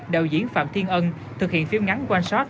đạo diễn phạm thiên ân thực hiện phim ngắn one shot